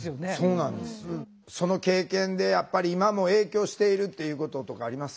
その経験でやっぱり今も影響しているっていうこととかあります？